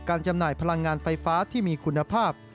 จำหน่ายพลังงานไฟฟ้าที่มีคุณภาพ